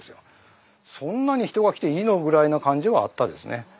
そんなに人が来ていいの？ぐらいな感じはあったですね。